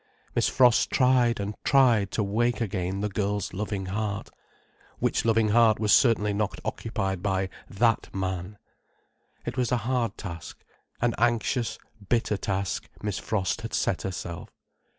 Miss Frost tried and tried to wake again the girl's loving heart—which loving heart was certainly not occupied by that man. It was a hard task, an anxious, bitter task Miss Frost had set herself.